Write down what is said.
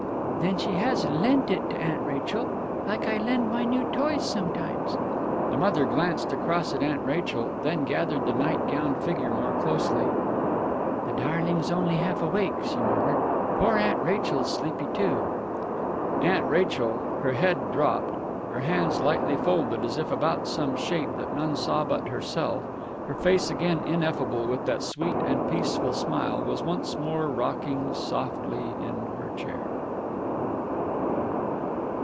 "Then has she lent it to Aunt Rachel, like I lend my new toys sometimes?" The mother glanced across at Aunt Rachel, and then gathered the night gowned figure more closely. "The darling's only half awake," she murmured.... "Poor Aunt Rachel's sleepy too...." Aunt Rachel, her head dropped, her hands lightly folded as if about some shape that none saw but herself, her face again ineffable with that sweet and peaceful smile, was once more rocking softly in her chair.